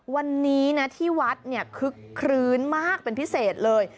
วันนี้ที่วัดคือคลืนมากเป็นพิเศษเลย